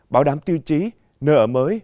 bảo đảm tiêu chí nơi ở mới